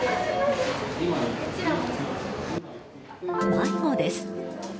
迷子です。